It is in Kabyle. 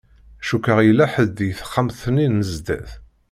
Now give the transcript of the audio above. Cukkeɣ yella ḥedd deg texxamt-nni n zdat.